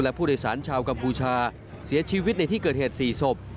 และผู้โดยสารชาวกัมพูชาเสียชีวิตในที่เกิดเหตุ๔ศพ